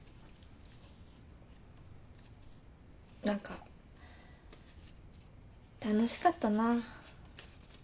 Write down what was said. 何か楽しかったな。